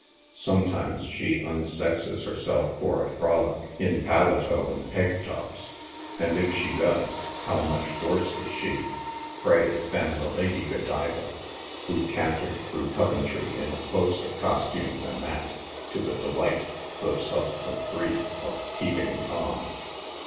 Sometimes she unsexes herself for a frolic in paletot and peg tops ; and if she does, how much worse is she, 42 NIGHT SIDE OF NEW YORK. pray, than the Lady Godiva, who cantered through Coventry in a closer costume than that, to the delight, though subsequent grief, of Peeping Tom